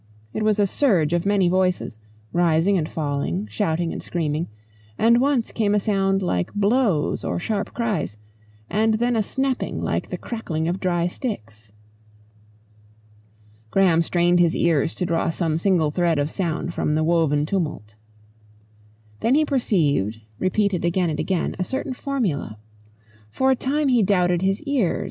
It was a surge of many voices, rising and falling, shouting and screaming, and once came a sound like blows and sharp cries, and then a snapping like the crackling of dry sticks. Graham strained his ears to draw some single thread of sound from the woven tumult. Then he perceived, repeated again and again, a certain formula. For a time he doubted his ears.